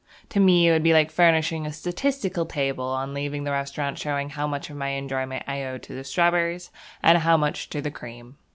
To me it would be like furnishing a statistical table on leaving the restaurant showing how much of my enjoyment I owed to the strawberries and how much to the cream.